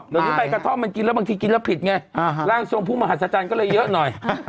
เดี๋ยวนี้ใบกระท่อมมันกินแล้วบางทีกินแล้วผิดไงร่างทรงผู้มหัศจรรย์ก็เลยเยอะหน่อย